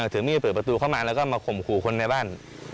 ถือมีดเปิดประตูเข้ามาแล้วก็มาข่มขู่คนในบ้าน